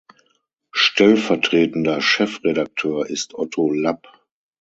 Stellvertretender Chefredakteur ist Otto Lapp.